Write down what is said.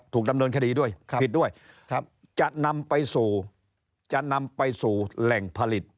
ถูกดำเนินคดีด้วยผิดด้วยจะนำไปสู่แหล่งผลิต